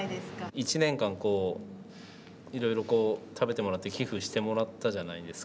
一年間いろいろ食べてもらって寄付してもらったじゃないですか。